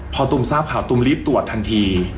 พอตุมทราบข่าวตุมรีบตรวจทันที